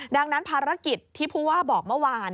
ดังนั้นภารกิจที่ผู้ว่าบอกเมื่อวาน